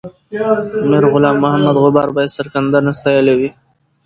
میرغلام محمد غبار به یې سرښندنه ستایلې وي.